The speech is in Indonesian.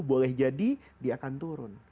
boleh jadi dia akan turun